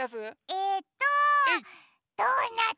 えっとドーナツ！